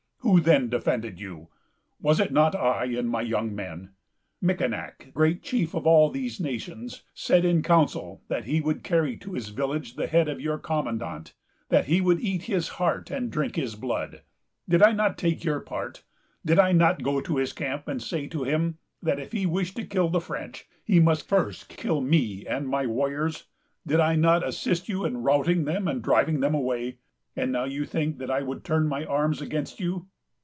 Who then defended you? Was it not I and my young men? Mickinac, great chief of all these nations, said in council that he would carry to his village the head of your commandant——that he would eat his heart and drink his blood. Did I not take your part? Did I not go to his camp, and say to him, that if he wished to kill the French, he must first kill me and my warriors? Did I not assist you in routing them and driving them away? And now you think that I would turn my arms against you!